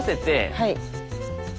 はい。